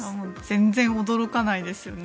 全然驚かないですよね。